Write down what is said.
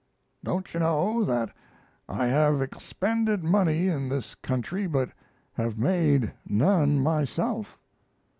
Don't you know that I have expended money in this country but have made none myself?